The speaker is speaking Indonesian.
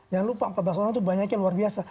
jangan lupa empat belas orang itu banyaknya luar biasa